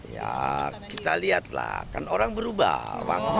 ya kita lihat lah kan orang berubah